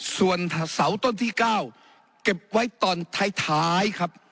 ส่วนเสาต้นที่เก้าเก็บไว้ตอนท้ายท้ายครับ